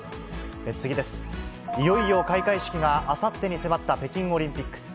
いよいよ開会式があさってに迫った北京オリンピック。